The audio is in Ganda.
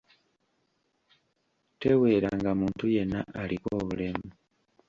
Teweeranga muntu yenna aliko obulemu.